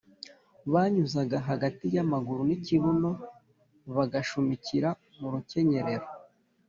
banyuzaga hagati y’amaguru n’ikibuno bakagashumikira mu rukenyerero